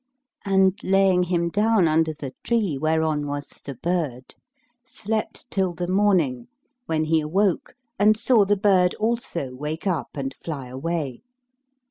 and laying him down under the tree (whereon was the bird) slept till the morning, when he awoke and saw the bird also wake up and fly away.